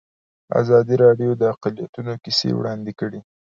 ازادي راډیو د اقلیتونه کیسې وړاندې کړي.